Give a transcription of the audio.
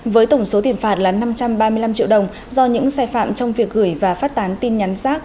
với tổng số tiền phạt là năm trăm ba mươi năm triệu đồng do những sai phạm trong việc gửi và phát tán tin nhắn rác